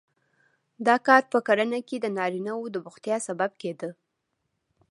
دا کار په کرنه کې د نارینه وو د بوختیا سبب کېده